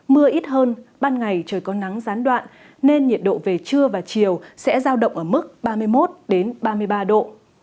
mưa ít hơn ban ngày trời có nắng gián đoạn nên nhiệt độ về trưa và chiều sẽ giao động ở mức ba mươi một ba mươi ba độ